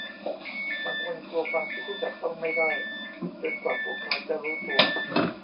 บางคนกลัวความคิดที่จับต้องไม่ได้จนกว่าพวกเขาจะรู้ตัว